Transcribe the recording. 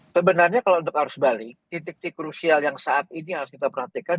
sebenarnya kalau untuk arus balik titik titik krusial yang saat ini harus kita perhatikan